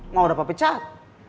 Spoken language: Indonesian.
mau dapat pecat